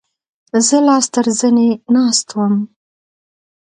زه لاس تر زنې ناست وم.